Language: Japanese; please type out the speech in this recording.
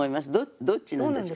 どっちなんでしょう？